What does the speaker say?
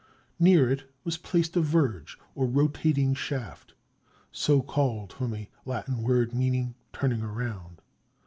Near it was placed a verge, or rotating shaft, so called from a Latin word meaning "turning around."